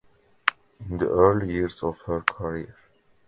In the early years of her career.